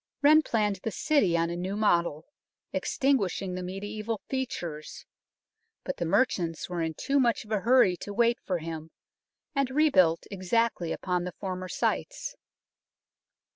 Wren planned the City on a new model, extinguishing the mediaeval features ; but the merchants were in too much of a hurry to wait for him, and rebuilt exactly upon the former sites.